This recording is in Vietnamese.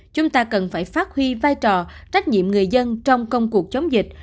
chúng ta cần phải phát huy vai trò trách nhiệm người dân trong công cuộc chống dịch